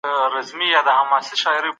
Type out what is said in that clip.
ولي زده کوونکي باید معلومات وارزوي؟